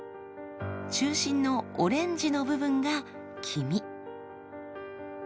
中心のオレンジの部分が黄身。